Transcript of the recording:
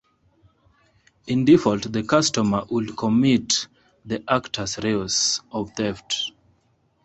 In default, the customer would commit the "actus reus" of theft.